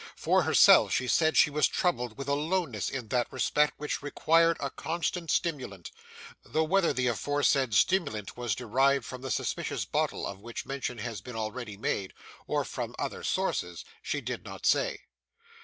For herself, she said, she was troubled with a lowness in that respect which required a constant stimulant; though whether the aforesaid stimulant was derived from the suspicious bottle of which mention has been already made or from other sources, she did not say.